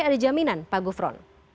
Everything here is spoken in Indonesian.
ada jaminan pak gufron